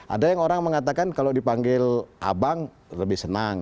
ada yang orang mengatakan kalau dipanggil abang lebih senang